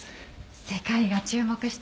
世界が注目した